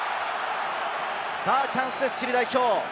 さぁチャンスです、チリ代表。